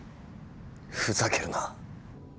ふざけるな。